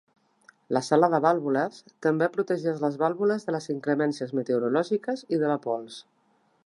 La sala de vàlvules també protegeix les vàlvules de les inclemències meteorològiques i de la pols.